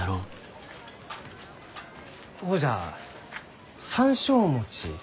ほうじゃ山椒餅。